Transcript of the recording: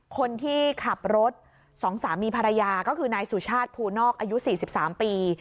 คนที่ขับรถสองสามีภรรยาก็คือนายสุชาติภูนอกอายุ๔๓ปี